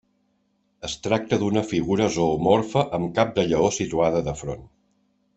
Es tracta d'una figura zoomorfa amb cap de lleó situada de front.